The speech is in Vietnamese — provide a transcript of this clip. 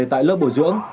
tại lớp bồi dưỡng